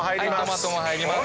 トマトも入ります。